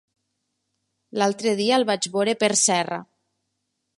L'altre dia el vaig veure per Serra.